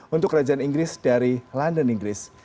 untuk kerajaan inggris dari london inggris